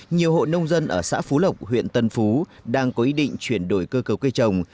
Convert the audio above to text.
nhiều hộ nông dân ở xã phú lộc huyện tân phú đang có ý định chuyển đổi cơ cấu cây trồng